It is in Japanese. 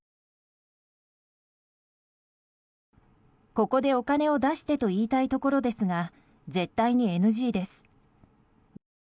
ここでお金を出してと言いたいところですが絶対にＮＧです。